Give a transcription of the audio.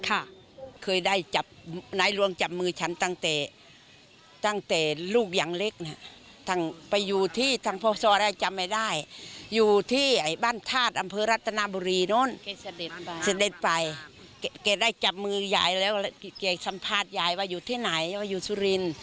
เคยได้จับมือใหญ่แล้วและที่เคยสัมภาษณ์ใหญ่ว่าอยู่ที่ไหนว่าอยู่สุริน